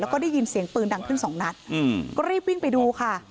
แล้วก็ได้ยินเสียงปืนดังขึ้นสองนัดก็รีบวิ่งไปดูค่ะ